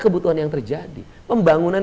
kebutuhan yang terjadi pembangunan